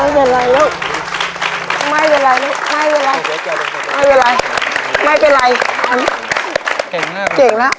ถูก